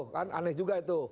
kan aneh juga itu